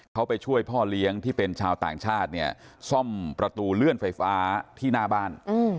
เขาไปช่วยพ่อเลี้ยงที่เป็นชาวต่างชาติเนี่ยซ่อมประตูเลื่อนไฟฟ้าที่หน้าบ้าน